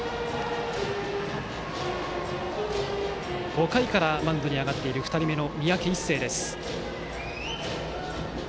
５回からマウンドに上がっている２人目の三宅一誠。